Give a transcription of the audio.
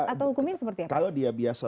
atau hukumnya seperti apa kalau dia biasa